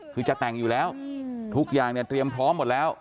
คือจะแต่งอยู่แล้วทุกอย่างเนี่ยเตรียมพร้อมหมดแล้ว